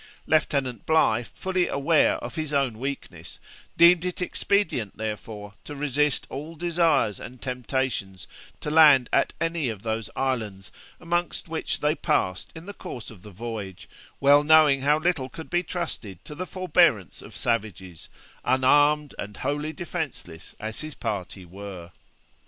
Lieutenant Bligh, fully aware of his own weakness, deemed it expedient, therefore, to resist all desires and temptations to land at any of those islands, among which they passed in the course of the voyage, well knowing how little could be trusted to the forbearance of savages, unarmed and wholly defenceless as his party were.